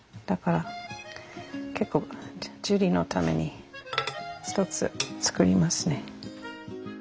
だから結構ジュリのために一つつくりますね。